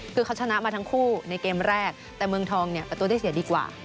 คือเขาชนะมาทั้งคู่ในเกมแรกแต่เมืองทองเนี่ยประตูได้เสียดีกว่า